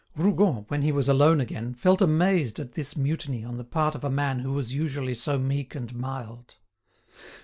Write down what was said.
Rougon, when he was alone again, felt amazed at this mutiny on the part of a man who was usually so meek and mild.